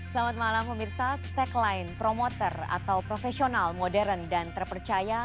selamat malam pemirsa tagline promoter atau profesional modern dan terpercaya